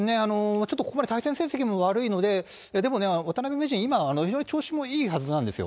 ちょっとここまで対戦成績も悪いので、でもね、渡辺名人、今、非常に調子もいいはずなんですよ。